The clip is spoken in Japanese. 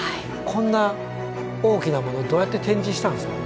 こんな大きなものどうやって展示したんですか？